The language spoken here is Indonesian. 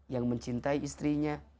yang mencintai istrinya